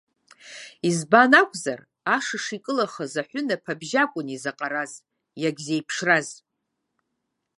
Избан акәзар, ашыш икылахаз аҳәынаԥ абжьы акәын изаҟараз, иагьзеиԥшраз.